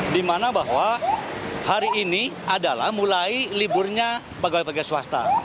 dimana bahwa hari ini adalah mulai liburnya pegawai pegawai swasta